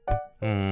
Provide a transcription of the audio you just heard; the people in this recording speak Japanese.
うん。